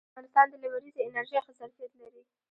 افغانستان د لمریزې انرژۍ ښه ظرفیت لري